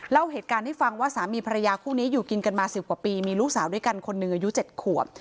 เล่าเหตุการณ์ให้ฟังว่าสามีภรรยาคู่นี้อยู่กินกันมา๑๐กว่าปีมีลูกสาวด้วยกันคนหนึ่งอายุ๗ขวบ